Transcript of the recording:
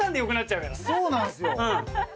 そうなんすよ。